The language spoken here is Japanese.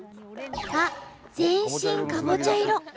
あっ全身かぼちゃ色！